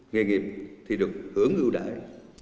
nghề nghiệp thì được hưởng ưu đại